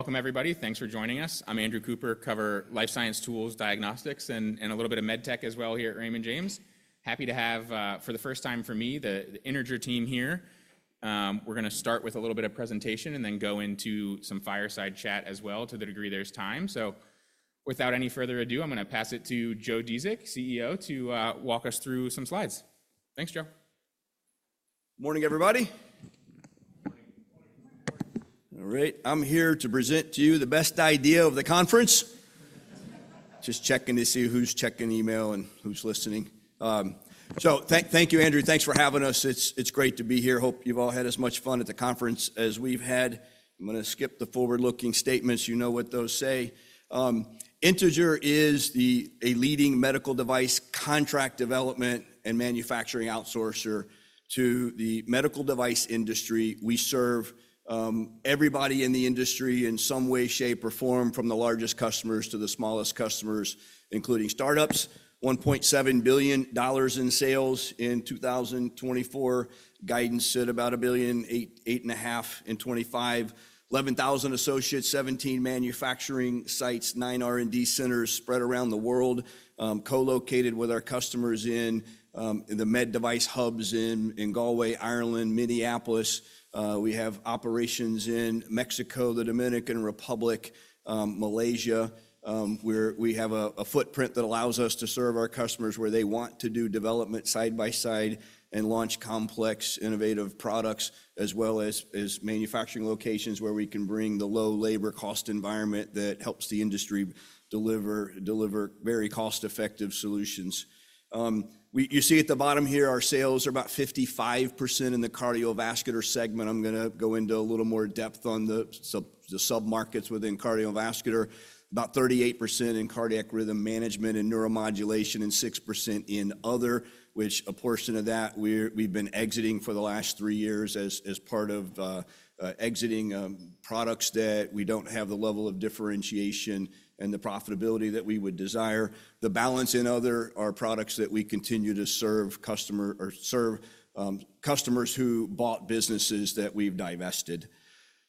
Welcome, everybody. Thanks for joining us. I'm Andrew Cooper. I cover life science tools, diagnostics, and a little bit of med tech as well here at Raymond James. Happy to have, for the first time for me, the Integer team here. We're going to start with a little bit of presentation and then go into some fireside chat as well to the degree there's time. So, without any further ado, I'm going to pass it to Joe Dziedzic, CEO, to walk us through some slides. Thanks, Joe. Morning, everybody. All right. I'm here to present to you the best idea of the conference. Just checking to see who's checking email and who's listening. So, thank you, Andrew. Thanks for having us. It's great to be here. Hope you've all had as much fun at the conference as we've had. I'm going to skip the forward-looking statements. You know what those say. Integer is a leading medical device contract development and manufacturing outsourcer to the medical device industry. We serve everybody in the industry in some way, shape, or form, from the largest customers to the smallest customers, including startups. $1.7 billion in sales in 2024. Guidance said about $1.85 billion in 2025. 11,000 associates, 17 manufacturing sites, nine R&D centers spread around the world. Co-located with our customers in the med device hubs in Galway, Ireland, Minneapolis. We have operations in Mexico, the Dominican Republic, Malaysia. We have a footprint that allows us to serve our customers where they want to do development side by side and launch complex, innovative products, as well as manufacturing locations where we can bring the low labor cost environment that helps the industry deliver very cost-effective solutions. You see at the bottom here, our sales are about 55% in the cardiovascular segment. I'm going to go into a little more depth on the sub-markets within cardiovascular. About 38% in cardiac rhythm management and neuromodulation, and 6% in other, which a portion of that we've been exiting for the last three years as part of exiting products that we don't have the level of differentiation and the profitability that we would desire. The balance in other are products that we continue to serve customers who bought businesses that we've divested.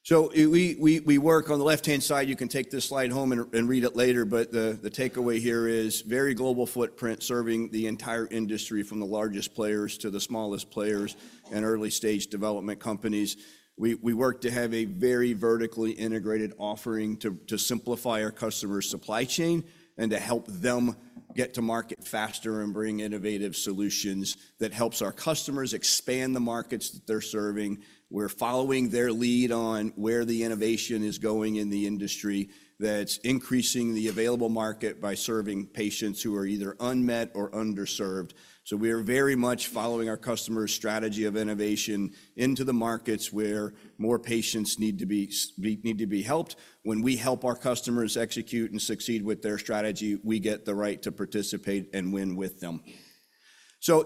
So, we work on the left-hand side. You can take this slide home and read it later, but the takeaway here is very global footprint, serving the entire industry from the largest players to the smallest players and early-stage development companies. We work to have a very vertically integrated offering to simplify our customer supply chain and to help them get to market faster and bring innovative solutions that help our customers expand the markets that they're serving. We're following their lead on where the innovation is going in the industry that's increasing the available market by serving patients who are either unmet or underserved. So, we are very much following our customer's strategy of innovation into the markets where more patients need to be helped. When we help our customers execute and succeed with their strategy, we get the right to participate and win with them.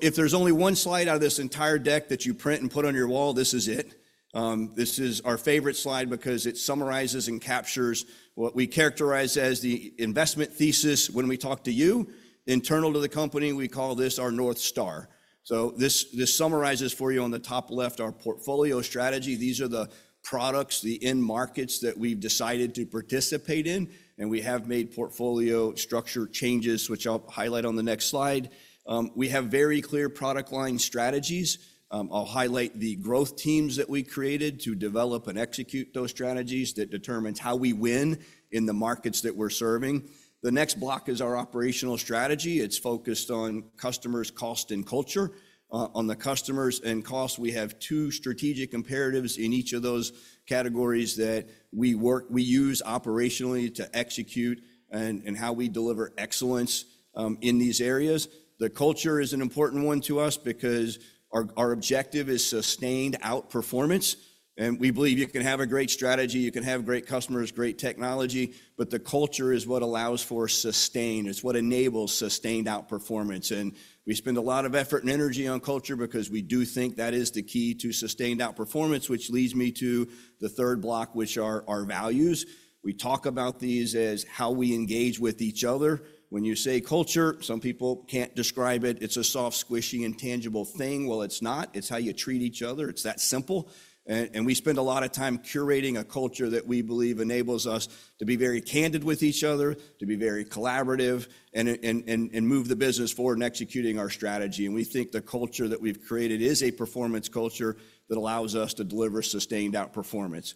If there's only one slide out of this entire deck that you print and put on your wall, this is it. This is our favorite slide because it summarizes and captures what we characterize as the investment thesis when we talk to you. Internal to the company, we call this our North Star. This summarizes for you on the top left our portfolio strategy. These are the products, the end markets that we've decided to participate in, and we have made portfolio structure changes, which I'll highlight on the next slide. We have very clear product line strategies. I'll highlight the growth teams that we created to develop and execute those strategies that determine how we win in the markets that we're serving. The next block is our operational strategy. It's focused on customers, cost, and culture. On the customers and cost, we have two strategic imperatives in each of those categories that we use operationally to execute and how we deliver excellence in these areas. The culture is an important one to us because our objective is sustained outperformance. We believe you can have a great strategy, you can have great customers, great technology, but the culture is what allows for sustain. It's what enables sustained outperformance. We spend a lot of effort and energy on culture because we do think that is the key to sustained outperformance, which leads me to the third block, which are our values. We talk about these as how we engage with each other. When you say culture, some people can't describe it. It's a soft, squishy, intangible thing. It's not. It's how you treat each other. It's that simple. We spend a lot of time curating a culture that we believe enables us to be very candid with each other, to be very collaborative, and move the business forward in executing our strategy. We think the culture that we've created is a performance culture that allows us to deliver sustained outperformance.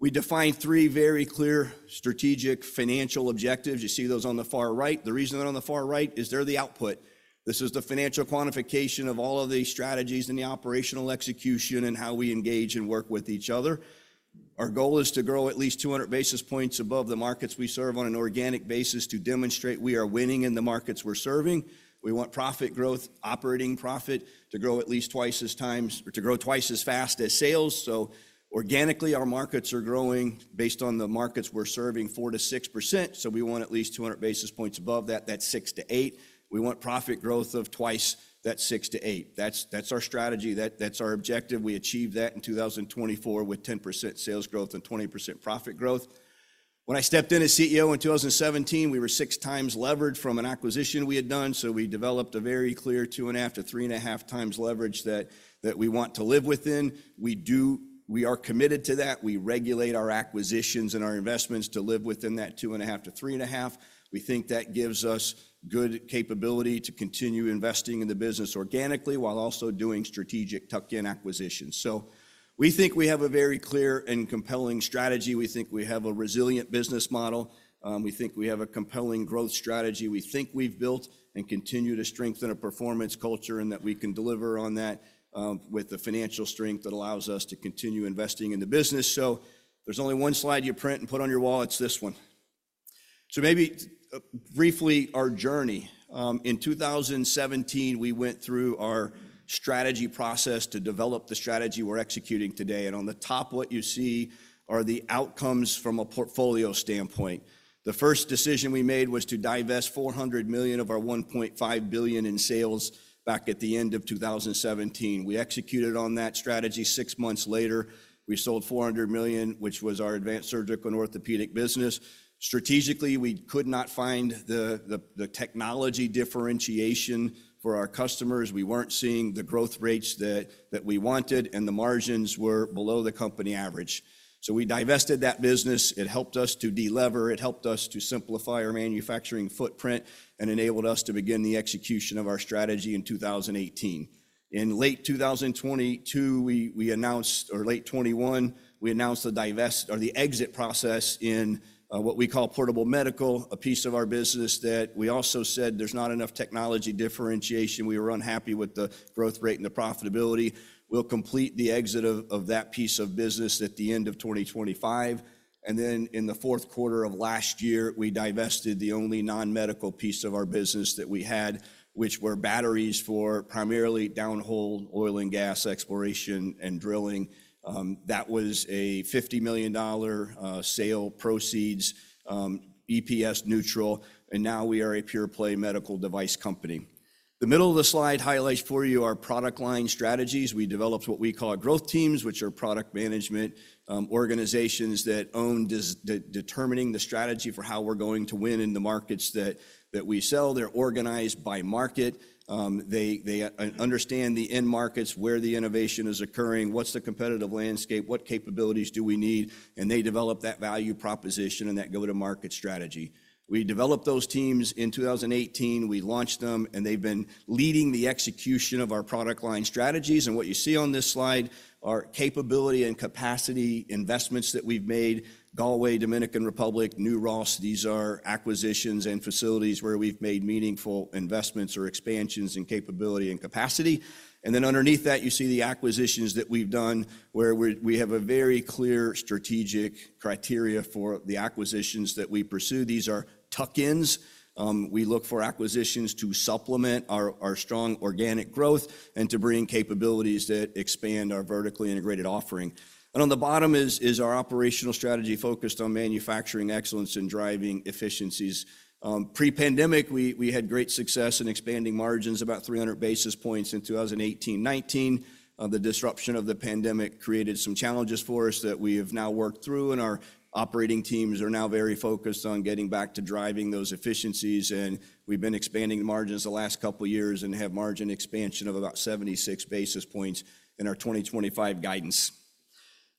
We define three very clear strategic financial objectives. You see those on the far right. The reason they're on the far right is they're the output. This is the financial quantification of all of the strategies and the operational execution and how we engage and work with each other. Our goal is to grow at least 200 basis points above the markets we serve on an organic basis to demonstrate we are winning in the markets we're serving. We want profit growth, operating profit, to grow at least twice as fast as sales. Organically, our markets are growing based on the markets we're serving 4%-6%. We want at least 200 basis points above that. That's 6%-8%. We want profit growth of twice that 6%-8%. That's our strategy. That's our objective. We achieved that in 2024 with 10% sales growth and 20% profit growth. When I stepped in as CEO in 2017, we were six times leveraged from an acquisition we had done. We developed a very clear 2.5-3.5 times leverage that we want to live within. We are committed to that. We regulate our acquisitions and our investments to live within that 2.5-3.5. We think that gives us good capability to continue investing in the business organically while also doing strategic tuck-in acquisitions. So, we think we have a very clear and compelling strategy. We think we have a resilient business model. We think we have a compelling growth strategy. We think we've built and continue to strengthen a performance culture and that we can deliver on that with the financial strength that allows us to continue investing in the business. So, there's only one slide you print and put on your wall. It's this one. So, maybe briefly, our journey. In 2017, we went through our strategy process to develop the strategy we're executing today. And on the top, what you see are the outcomes from a portfolio standpoint. The first decision we made was to divest $400 million of our $1.5 billion in sales back at the end of 2017. We executed on that strategy. Six months later, we sold $400 million, which was our Advanced Surgical and Orthopedics business. Strategically, we could not find the technology differentiation for our customers. We weren't seeing the growth rates that we wanted, and the margins were below the company average. So, we divested that business. It helped us to deleverage. It helped us to simplify our manufacturing footprint and enabled us to begin the execution of our strategy in 2018. In late 2022, or late 2021, we announced the divestiture or the exit process in what we call Portable Medical, a piece of our business that we also said there's not enough technology differentiation. We were unhappy with the growth rate and the profitability. We'll complete the exit of that piece of business at the end of 2025. In the fourth quarter of last year, we divested the only non-medical piece of our business that we had, which were batteries for primarily downhole oil and gas exploration and drilling. That was a $50 million sale proceeds, EPS neutral, and now we are a pure-play medical device company. The middle of the slide highlights for you our product line strategies. We developed what we call growth teams, which are product management organizations that own determining the strategy for how we're going to win in the markets that we sell. They're organized by market. They understand the end markets, where the innovation is occurring, what's the competitive landscape, what capabilities do we need, and they develop that value proposition and that go-to-market strategy. We developed those teams in 2018. We launched them, and they've been leading the execution of our product line strategies. What you see on this slide are capability and capacity investments that we've made. Galway, Dominican Republic, New Ross, these are acquisitions and facilities where we've made meaningful investments or expansions in capability and capacity. Then underneath that, you see the acquisitions that we've done, where we have a very clear strategic criteria for the acquisitions that we pursue. These are tuck-ins. We look for acquisitions to supplement our strong organic growth and to bring capabilities that expand our vertically integrated offering. On the bottom is our operational strategy focused on manufacturing excellence and driving efficiencies. Pre-pandemic, we had great success in expanding margins, about 300 basis points in 2018-2019. The disruption of the pandemic created some challenges for us that we have now worked through, and our operating teams are now very focused on getting back to driving those efficiencies. We've been expanding margins the last couple of years and have margin expansion of about 76 basis points in our 2025 guidance.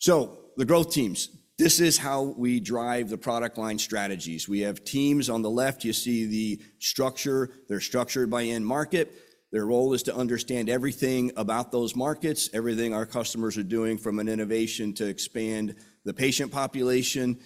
The growth teams. This is how we drive the product line strategies. We have teams on the left. You see the structure. They're structured by end market. Their role is to understand everything about those markets, everything our customers are doing from an innovation to expand the patient population,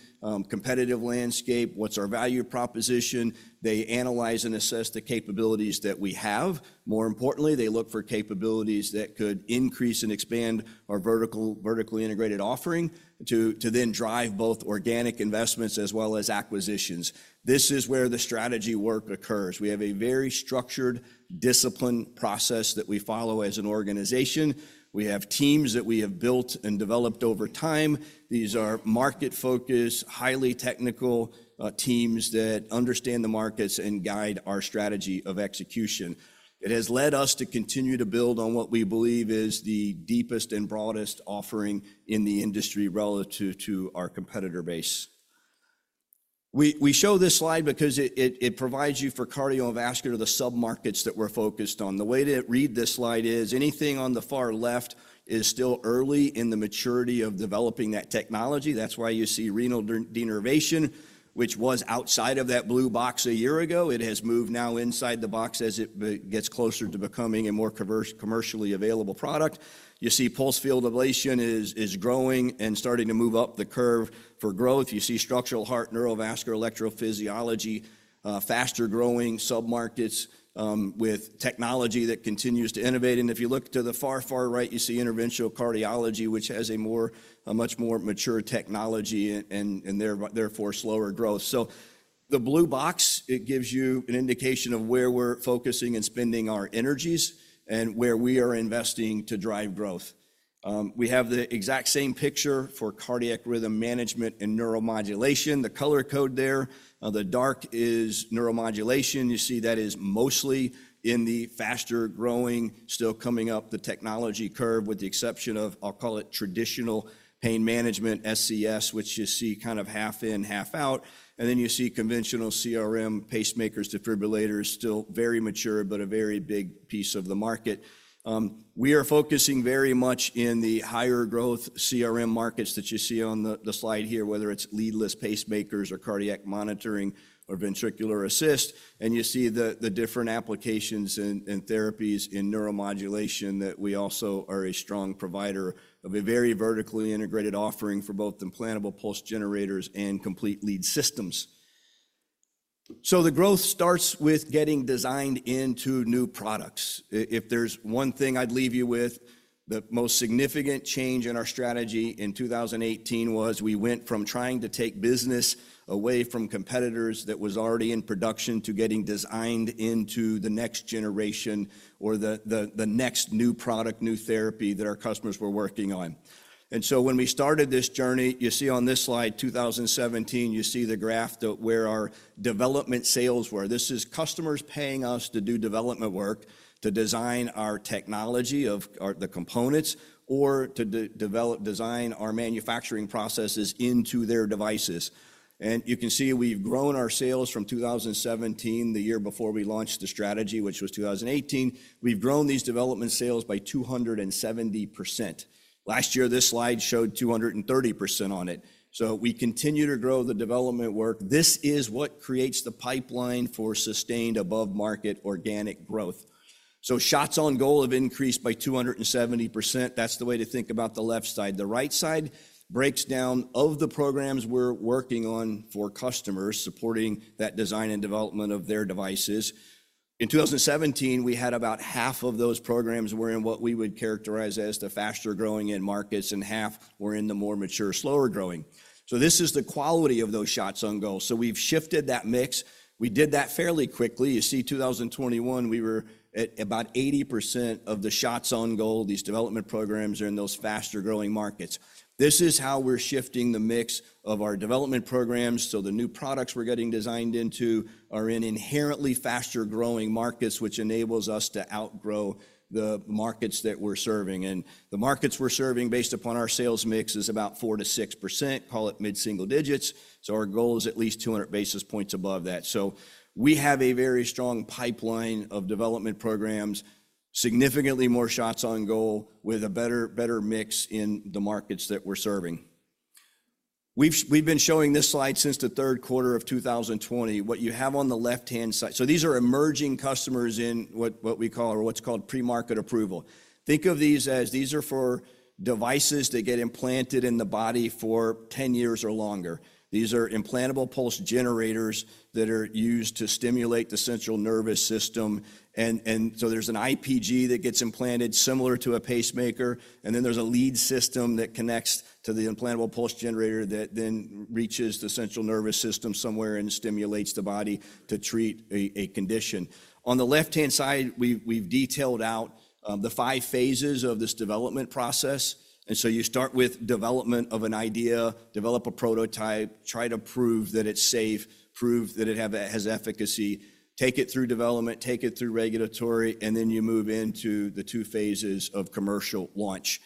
competitive landscape, what's our value proposition. They analyze and assess the capabilities that we have. More importantly, they look for capabilities that could increase and expand our vertically integrated offering to then drive both organic investments as well as acquisitions. This is where the strategy work occurs. We have a very structured, disciplined process that we follow as an organization. We have teams that we have built and developed over time. These are market-focused, highly technical teams that understand the markets and guide our strategy of execution. It has led us to continue to build on what we believe is the deepest and broadest offering in the industry relative to our competitor base. We show this slide because it provides you for cardiovascular, the sub-markets that we're focused on. The way to read this slide is anything on the far left is still early in the maturity of developing that technology. That's why you see renal denervation, which was outside of that blue box a year ago. It has moved now inside the box as it gets closer to becoming a more commercially available product. You see pulsed field ablation is growing and starting to move up the curve for growth. You see structural heart, neurovascular, electrophysiology, faster-growing sub-markets with technology that continues to innovate. And if you look to the far, far right, you see interventional cardiology, which has a much more mature technology and therefore slower growth. So, the blue box, it gives you an indication of where we're focusing and spending our energies and where we are investing to drive growth. We have the exact same picture for cardiac rhythm management and neuromodulation. The color code there, the dark is neuromodulation. You see that is mostly in the faster-growing, still coming up the technology curve with the exception of, I'll call it traditional pain management, SCS, which you see kind of half in, half out. And then you see conventional CRM, pacemakers, defibrillators, still very mature, but a very big piece of the market. We are focusing very much in the higher-growth CRM markets that you see on the slide here, whether it's leadless pacemakers or cardiac monitoring or ventricular assist. And you see the different applications and therapies in neuromodulation that we also are a strong provider of a very vertically integrated offering for both implantable pulse generators and complete lead systems. So, the growth starts with getting designed into new products. If there's one thing I'd leave you with, the most significant change in our strategy in 2018 was we went from trying to take business away from competitors that was already in production to getting designed into the next generation or the next new product, new therapy that our customers were working on. And so, when we started this journey, you see on this slide, 2017, you see the graph where our development sales were. This is customers paying us to do development work to design our technology of the components or to design our manufacturing processes into their devices. You can see we've grown our sales from 2017, the year before we launched the strategy, which was 2018. We've grown these development sales by 270%. Last year, this slide showed 230% on it. We continue to grow the development work. This is what creates the pipeline for sustained above-market organic growth. Shots on goal have increased by 270%. That's the way to think about the left side. The right side breaks down of the programs we're working on for customers supporting that design and development of their devices. In 2017, we had about half of those programs were in what we would characterize as the faster-growing end markets, and half were in the more mature, slower-growing. This is the quality of those shots on goal. We've shifted that mix. We did that fairly quickly. You see, 2021, we were at about 80% of the shots on goal. These development programs are in those faster-growing markets. This is how we're shifting the mix of our development programs. So, the new products we're getting designed into are in inherently faster-growing markets, which enables us to outgrow the markets that we're serving. And the markets we're serving based upon our sales mix is about 4%-6%, call it mid-single digits. So, our goal is at least 200 basis points above that. So, we have a very strong pipeline of development programs, significantly more shots on goal with a better mix in the markets that we're serving. We've been showing this slide since the third quarter of 2020. What you have on the left-hand side, so these are emerging customers in what we call or what's called premarket approval. These are for devices that get implanted in the body for 10 years or longer. These are implantable pulse generators that are used to stimulate the central nervous system. And so, there's an IPG that gets implanted similar to a pacemaker. And then there's a lead system that connects to the implantable pulse generator that then reaches the central nervous system somewhere and stimulates the body to treat a condition. On the left-hand side, we've detailed out the five phases of this development process. And so, you start with development of an idea, develop a prototype, try to prove that it's safe, prove that it has efficacy, take it through development, take it through regulatory, and then you move into the two phases of commercial launch.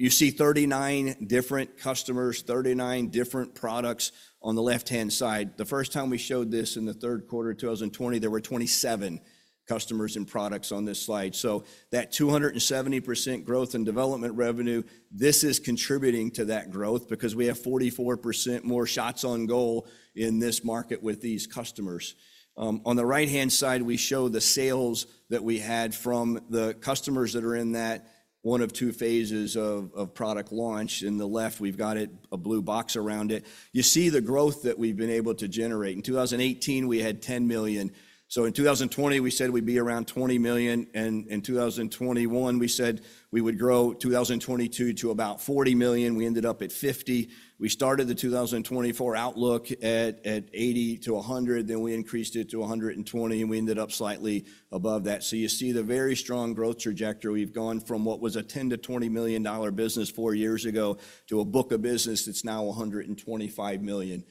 You see 39 different customers, 39 different products on the left-hand side. The first time we showed this in the third quarter of 2020, there were 27 customers and products on this slide, so that 270% growth in development revenue, this is contributing to that growth because we have 44% more shots on goal in this market with these customers. On the right-hand side, we show the sales that we had from the customers that are in that one of two phases of product launch. On the left, we've got a blue box around it. You see the growth that we've been able to generate in 2018, we had $10 million, so in 2020, we said we'd be around $20 million, and in 2021, we said we would grow 2022 to about $40 million. We ended up at $50 million. We started the 2024 outlook at $80 million-$100 million, then we increased it to $120 million, and we ended up slightly above that. You see the very strong growth trajectory. We've gone from what was a $10-$20 million business four years ago to a book of business that's now $125 million.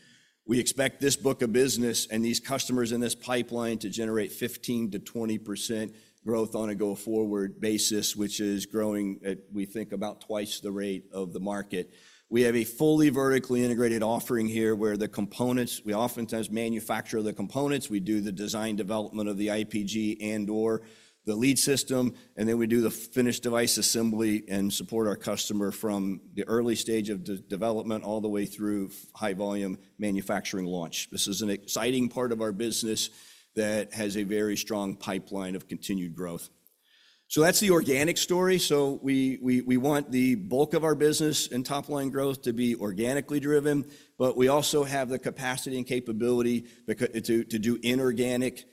We expect this book of business and these customers in this pipeline to generate 15%-20% growth on a go-forward basis, which is growing, we think, about twice the rate of the market. We have a fully vertically integrated offering here where the components, we oftentimes manufacture the components. We do the design development of the IPG and/or the lead system, and then we do the finished device assembly and support our customer from the early stage of development all the way through high-volume manufacturing launch. This is an exciting part of our business that has a very strong pipeline of continued growth. That's the organic story. We want the bulk of our business and top-line growth to be organically driven, but we also have the capacity and capability to do inorganic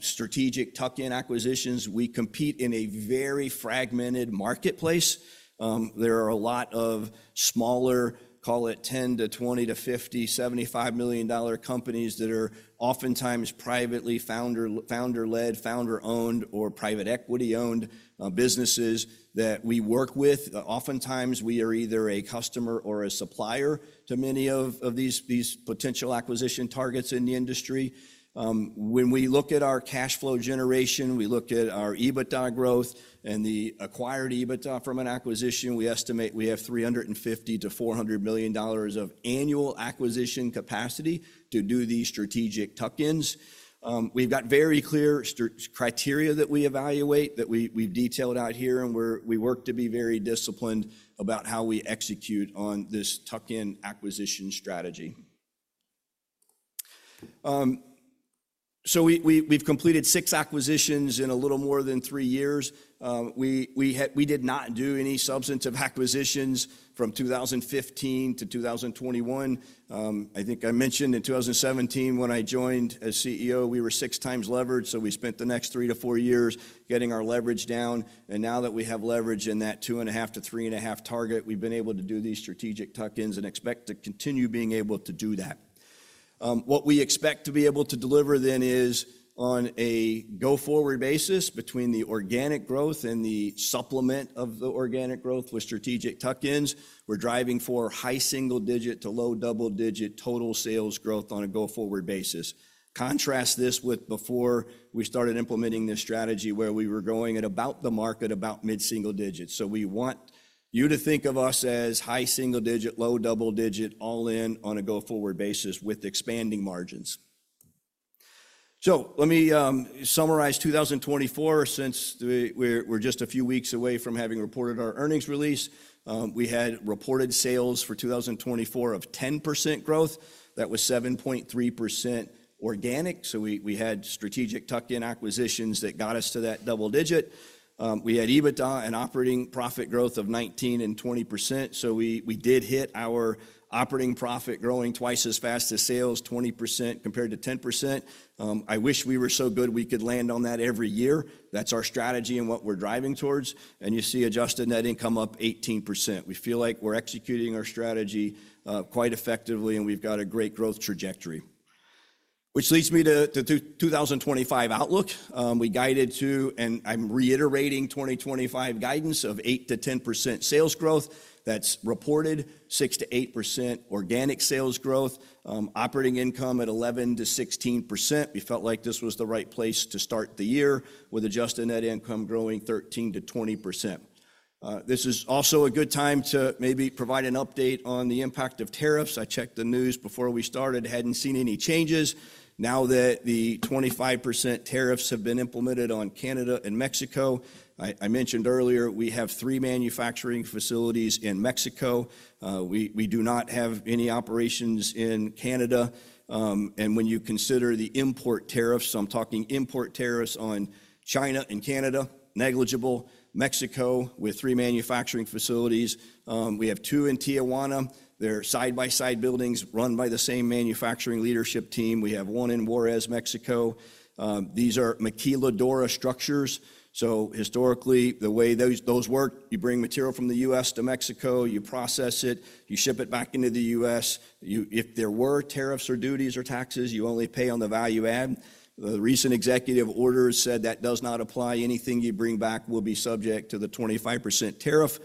strategic tuck-in acquisitions. We compete in a very fragmented marketplace. There are a lot of smaller, call it 10 to 20 to 50, $75 million companies that are oftentimes privately founder-led, founder-owned, or private equity-owned businesses that we work with. Oftentimes, we are either a customer or a supplier to many of these potential acquisition targets in the industry. When we look at our cash flow generation, we look at our EBITDA growth and the acquired EBITDA from an acquisition. We estimate we have $350-$400 million of annual acquisition capacity to do these strategic tuck-ins. We've got very clear criteria that we evaluate that we've detailed out here, and we work to be very disciplined about how we execute on this tuck-in acquisition strategy. So, we've completed six acquisitions in a little more than three years. We did not do any substantive acquisitions from 2015 to 2021. I think I mentioned in 2017, when I joined as CEO, we were six times leveraged. So, we spent the next three to four years getting our leverage down. And now that we have leverage in that two and a half to three and a half target, we've been able to do these strategic tuck-ins and expect to continue being able to do that. What we expect to be able to deliver then is on a go-forward basis between the organic growth and the supplement of the organic growth with strategic tuck-ins. We're driving for high single-digit to low double-digit total sales growth on a go-forward basis. Contrast this with before we started implementing this strategy where we were going at about the market, about mid-single digits. So, we want you to think of us as high single-digit, low double-digit, all in on a go-forward basis with expanding margins. So, let me summarize 2024. Since we're just a few weeks away from having reported our earnings release, we had reported sales for 2024 of 10% growth. That was 7.3% organic. So, we had strategic tuck-in acquisitions that got us to that double-digit. We had EBITDA and operating profit growth of 19% and 20%. So, we did hit our operating profit growing twice as fast as sales, 20% compared to 10%. I wish we were so good we could land on that every year. That's our strategy and what we're driving towards. You see Adjusted Net Income up 18%. We feel like we're executing our strategy quite effectively, and we've got a great growth trajectory, which leads me to the 2025 outlook. We guided to, and I'm reiterating, 2025 guidance of 8-10% sales growth. That's reported 6-8% organic sales growth, operating income at 11-16%. We felt like this was the right place to start the year with Adjusted Net Income growing 13-20%. This is also a good time to maybe provide an update on the impact of tariffs. I checked the news before we started. I hadn't seen any changes. Now that the 25% tariffs have been implemented on Canada and Mexico, I mentioned earlier we have three manufacturing facilities in Mexico. We do not have any operations in Canada. When you consider the import tariffs, I'm talking import tariffs on China and Canada, negligible. Mexico with three manufacturing facilities. We have two in Tijuana. They're side-by-side buildings run by the same manufacturing leadership team. We have one in Juarez, Mexico. These are maquiladora structures. Historically, the way those work, you bring material from the U.S. to Mexico, you process it, you ship it back into the U.S. If there were tariffs or duties or taxes, you only pay on the value add. The recent executive orders said that does not apply. Anything you bring back will be subject to the 25% tariff.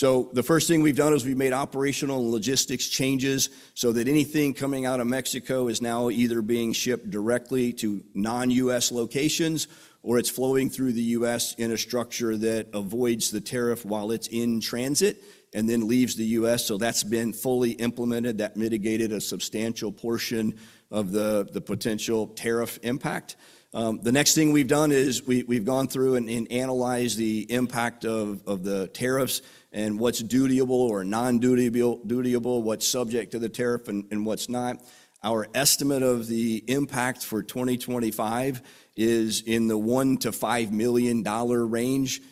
The first thing we've done is we've made operational and logistics changes so that anything coming out of Mexico is now either being shipped directly to non-U.S. locations or it's flowing through the U.S. in a structure that avoids the tariff while it's in transit and then leaves the U.S. So, that's been fully implemented. That mitigated a substantial portion of the potential tariff impact. The next thing we've done is we've gone through and analyzed the impact of the tariffs and what's dutiable or non-dutiable, what's subject to the tariff and what's not. Our estimate of the impact for 2025 is in the $1-$5 million range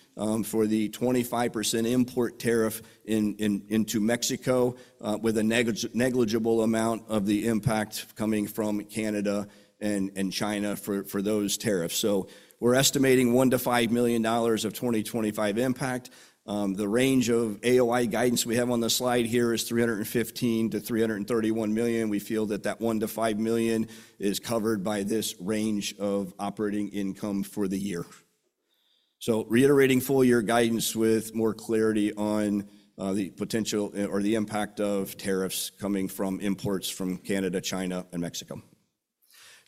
for the 25% import tariff into Mexico with a negligible amount of the impact coming from Canada and China for those tariffs. So, we're estimating $1-$5 million of 2025 impact. The range of AOI guidance we have on the slide here is $315-$331 million. We feel that that $1-$5 million is covered by this range of operating income for the year. Reiterating full-year guidance with more clarity on the potential or the impact of tariffs coming from imports from Canada, China, and Mexico.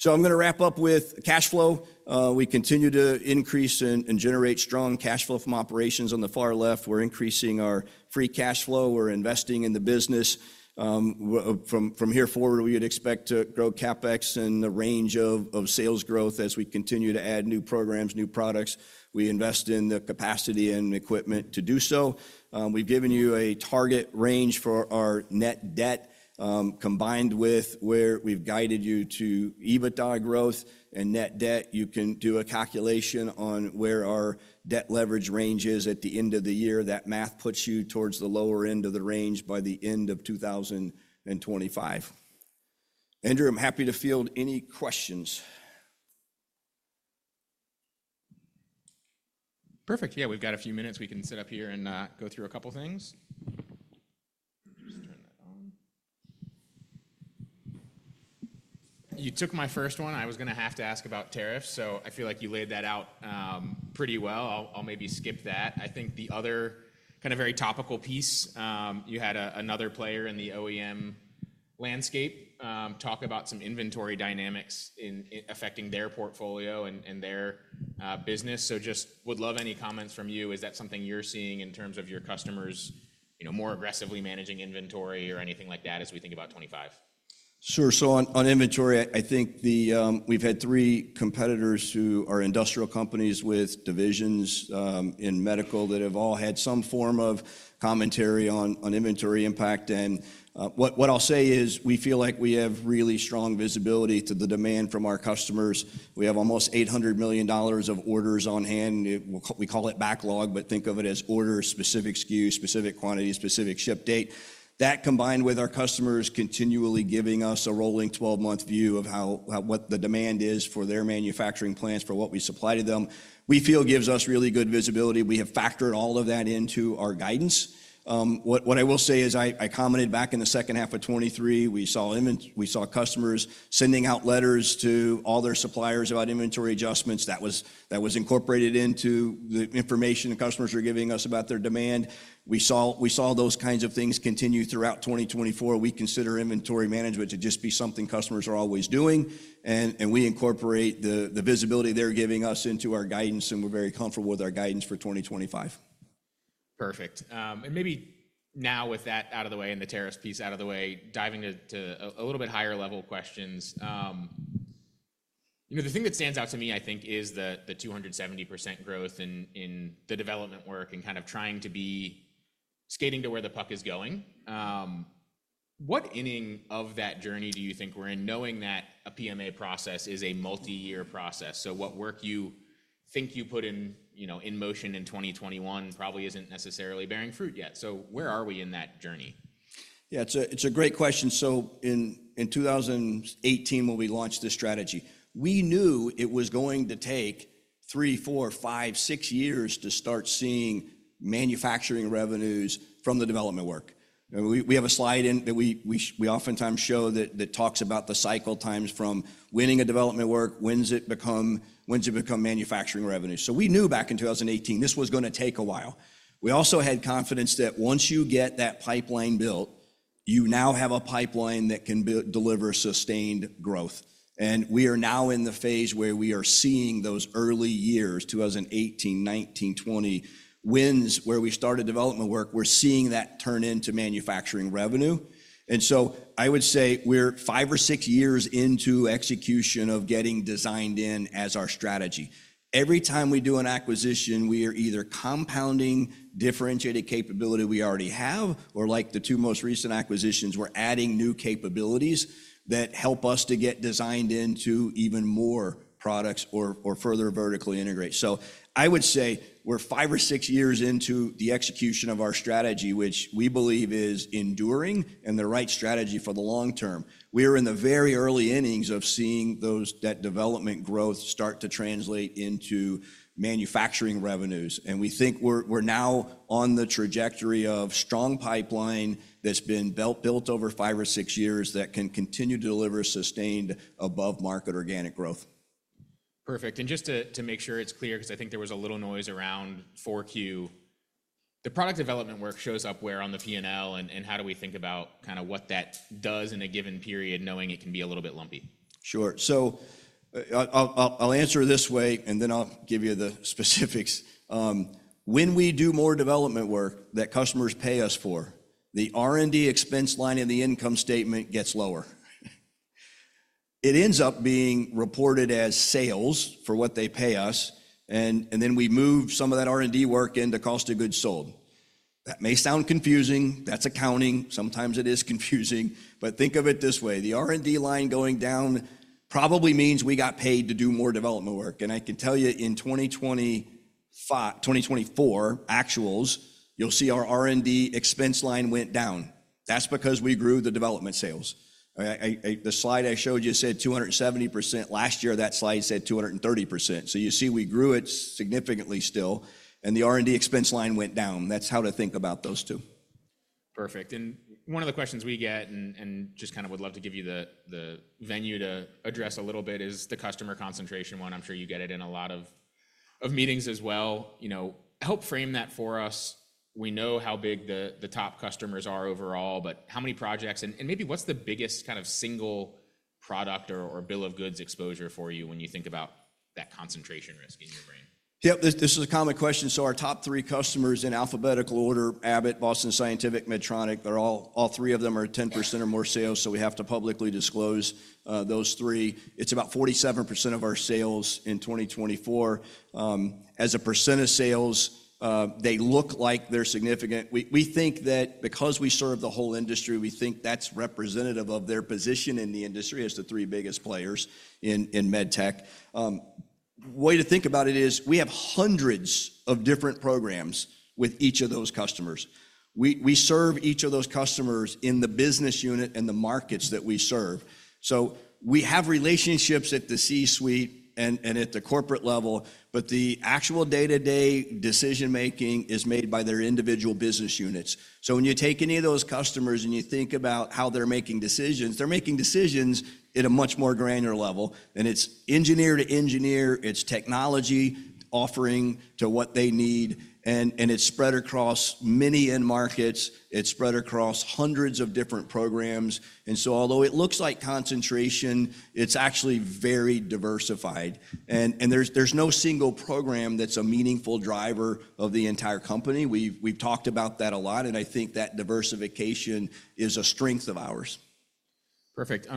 I'm going to wrap up with cash flow. We continue to increase and generate strong cash flow from operations. On the far left, we're increasing our free cash flow. We're investing in the business. From here forward, we would expect to grow CapEx and the range of sales growth as we continue to add new programs, new products. We invest in the capacity and equipment to do so. We've given you a target range for our net debt combined with where we've guided you to EBITDA growth and net debt. You can do a calculation on where our debt leverage range is at the end of the year. That math puts you towards the lower end of the range by the end of 2025. Andrew, I'm happy to field any questions. Perfect. Yeah, we've got a few minutes. We can sit up here and go through a couple of things. You took my first one. I was going to have to ask about tariffs. So, I feel like you laid that out pretty well. I'll maybe skip that. I think the other kind of very topical piece, you had another player in the OEM landscape talk about some inventory dynamics affecting their portfolio and their business. So, just would love any comments from you. Is that something you're seeing in terms of your customers more aggressively managing inventory or anything like that as we think about 2025? Sure. So, on inventory, I think we've had three competitors who are industrial companies with divisions in medical that have all had some form of commentary on inventory impact. And what I'll say is we feel like we have really strong visibility to the demand from our customers. We have almost $800 million of orders on hand. We call it backlog, but think of it as orders, specific SKU, specific quantity, specific ship date. That combined with our customers continually giving us a rolling 12-month view of what the demand is for their manufacturing plants for what we supply to them, we feel gives us really good visibility. We have factored all of that into our guidance. What I will say is I commented back in the second half of 2023, we saw customers sending out letters to all their suppliers about inventory adjustments. That was incorporated into the information customers were giving us about their demand. We saw those kinds of things continue throughout 2024. We consider inventory management to just be something customers are always doing. We incorporate the visibility they're giving us into our guidance, and we're very comfortable with our guidance for 2025. Perfect. Maybe now with that out of the way and the tariffs piece out of the way, diving into a little bit higher-level questions. The thing that stands out to me, I think, is the 270% growth in the development work and kind of trying to be skating to where the puck is going. What ending of that journey do you think we're in, knowing that a PMA process is a multi-year process? So, what work you think you put in motion in 2021 probably isn't necessarily bearing fruit yet. So, where are we in that journey? Yeah, it's a great question. So, in 2018, when we launched this strategy, we knew it was going to take three, four, five, six years to start seeing manufacturing revenues from the development work. We have a slide in that we oftentimes show that talks about the cycle times from winning a development work, when's it become manufacturing revenue? So, we knew back in 2018 this was going to take a while. We also had confidence that once you get that pipeline built, you now have a pipeline that can deliver sustained growth. And we are now in the phase where we are seeing those early years, 2018, 2019, 2020 wins where we started development work, we're seeing that turn into manufacturing revenue. And so, I would say we're five or six years into execution of getting designed in as our strategy. Every time we do an acquisition, we are either compounding differentiated capability we already have, or like the two most recent acquisitions, we're adding new capabilities that help us to get designed into even more products or further vertically integrate. So, I would say we're five or six years into the execution of our strategy, which we believe is enduring and the right strategy for the long term. We are in the very early innings of seeing that development growth start to translate into manufacturing revenues. And we think we're now on the trajectory of strong pipeline that's been built over five or six years that can continue to deliver sustained above-market organic growth. Perfect. Just to make sure it's clear, because I think there was a little noise around 4Q, the product development work shows up where on the P&L and how do we think about kind of what that does in a given period, knowing it can be a little bit lumpy? Sure. I'll answer this way, and then I'll give you the specifics. When we do more development work that customers pay us for, the R&D expense line in the income statement gets lower. It ends up being reported as sales for what they pay us. And then we move some of that R&D work into cost of goods sold. That may sound confusing. That's accounting. Sometimes it is confusing. Think of it this way. The R&D line going down probably means we got paid to do more development work. And I can tell you in 2024 actuals, you'll see our R&D expense line went down. That's because we grew the development sales. The slide I showed you said 270%. Last year, that slide said 230%. So, you see we grew it significantly still, and the R&D expense line went down. That's how to think about those two. Perfect. And one of the questions we get, and just kind of would love to give you the venue to address a little bit, is the customer concentration one. I'm sure you get it in a lot of meetings as well. Help frame that for us. We know how big the top customers are overall, but how many projects? And maybe what's the biggest kind of single product or bill of goods exposure for you when you think about that concentration risk in your brain? Yep. This is a common question. So, our top three customers in alphabetical order, Abbott, Boston Scientific, Medtronic, all three of them are 10% or more sales. So, we have to publicly disclose those three. It's about 47% of our sales in 2024. As a % of sales, they look like they're significant. We think that because we serve the whole industry, we think that's representative of their position in the industry as the three biggest players in med tech. Way to think about it is we have hundreds of different programs with each of those customers. We serve each of those customers in the business unit and the markets that we serve. So, we have relationships at the C-suite and at the corporate level, but the actual day-to-day decision-making is made by their individual business units. So, when you take any of those customers and you think about how they're making decisions, they're making decisions at a much more granular level. And it's engineer to engineer. It's technology offering to what they need. And it's spread across many end markets. It's spread across hundreds of different programs. And so, although it looks like concentration, it's actually very diversified. And there's no single program that's a meaningful driver of the entire company. We've talked about that a lot, and I think that diversification is a strength of ours. Perfect.